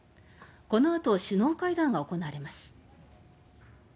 この後、首脳会談が行われます。